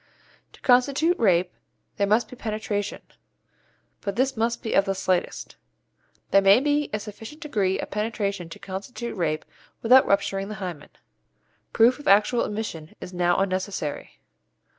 To constitute rape there must be penetration, but this may be of the slightest. There may be a sufficient degree of penetration to constitute rape without rupturing the hymen. Proof of actual emission is now unnecessary.